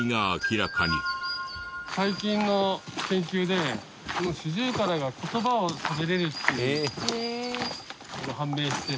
最近の研究でシジュウカラが言葉をしゃべれるっていうのが判明して。